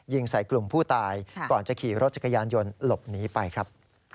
ยิงใส่กลุ่มผู้ตายก่อนจะขี่รถจักรยานยนต์หลบหนีไปครับ